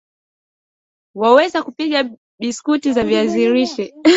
Waweza kupika biskuti za viazi lishe